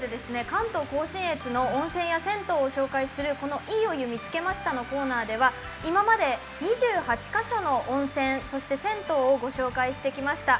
関東甲信越の温泉や銭湯を紹介するこの「いいお湯見つけました」のコーナーでは今まで２８か所の温泉そして銭湯をご紹介してきました。